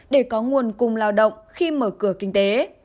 để có nguồn cung lao động khi mở cửa kinh tế